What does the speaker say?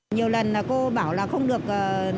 nhiều lần cô bảo là không được